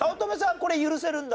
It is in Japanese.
これ許せるんだ。